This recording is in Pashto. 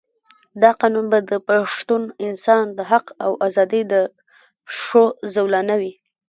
دا قانون به د پښتون انسان د حق او آزادۍ د پښو زولانه وي.